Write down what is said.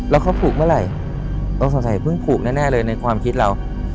แล้วเขาผูกเมื่อไหร่ต้องสงสัยเพิ่งผูกแน่เลยในความคิดเรา